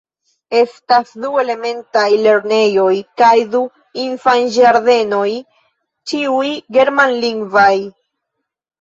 Estas du elementaj lernejoj kaj du infanĝardenoj, ĉiuj germanlingvaj.